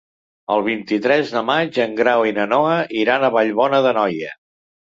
El vint-i-tres de maig en Grau i na Noa iran a Vallbona d'Anoia.